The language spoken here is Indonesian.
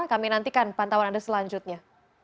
kami nantikan pantauan anda selanjutnya